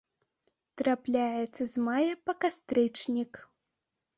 Трапляецца з мая па кастрычнік.